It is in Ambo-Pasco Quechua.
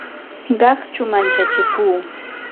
Qaqchu manchachiku